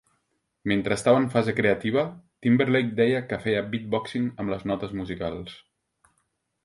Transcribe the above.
Mentre estava en fase creativa, Timberlake deia que feia "beatboxing amb les notes musicals".